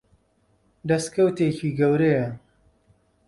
دەستکەوتێکی گەورەیە.